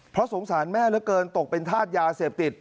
เพราะสงสารแม่เหลือเกินตกเป็นธาตุยาเสพติด